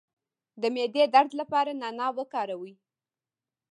د معدې درد لپاره نعناع وکاروئ